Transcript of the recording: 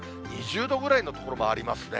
２０度ぐらいの所もありますね。